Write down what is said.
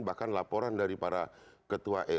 bahkan laporan dari para ketua